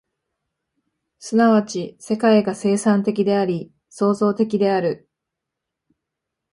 即ち世界が生産的であり、創造的である。